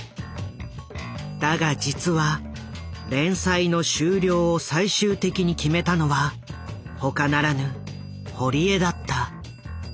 だが実は連載の終了を最終的に決めたのはほかならぬ堀江だった。